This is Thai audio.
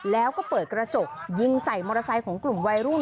แล้วก็เปิดกระจกยิงใส่มอเตอร์ไซค์ของกลุ่มวัยรุ่น